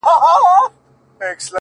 کلونه کيږي چي يې زه د راتلو لارې څارم _